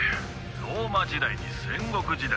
ローマ時代に戦国時代。